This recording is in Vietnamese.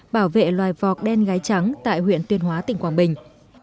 bảo vệ loài vọc đen gái trắng tại huyện tuyên hóa tỉnh quảng bình